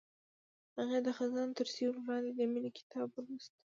هغې د خزان تر سیوري لاندې د مینې کتاب ولوست.